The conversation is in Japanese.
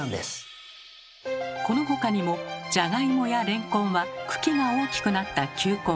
この他にもじゃがいもやれんこんは茎が大きくなった球根。